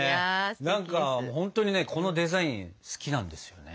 何かほんとにねこのデザイン好きなんですよね。